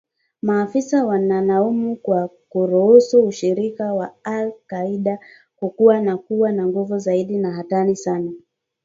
Maafisa wanalaumu kwa kuruhusu ushirika wa al-Qaida kukua na kuwa na nguvu zaidi na hatari sana